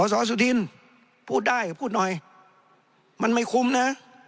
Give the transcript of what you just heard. สอสุธินพูดได้พูดหน่อยมันไม่คุ้มนะ